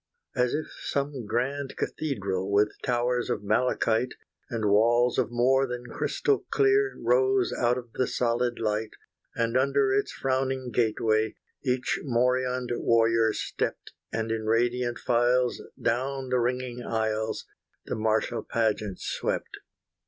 As if some grand cathedral, With towers of malachite, And walls of more than crystal clear, Rose out of the solid light, And under its frowning gateway, Each morioned warrior stept, And in radiant files down the ringing aisles, The martial pageant swept.